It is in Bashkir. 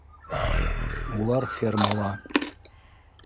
- Улар фермала